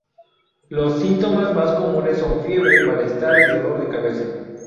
Los síntomas más comunes son fiebre, malestar y dolor de cabeza.